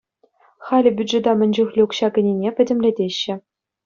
Халӗ бюджета мӗн чухлӗ укҫа кӗнине пӗтӗмлетеҫҫӗ.